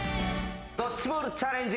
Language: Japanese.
ドッジボールチャレンジ。